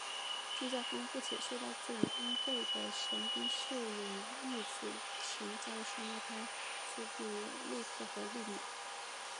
住在丰富且受到自然恩惠的神滨市里御子神家的双胞胎姊妹莉可和莉咪。